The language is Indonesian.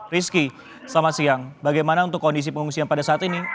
rizky selamat siang bagaimana untuk kondisi pengungsian pada saat ini